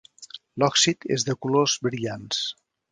L'òxid és de colors brillants.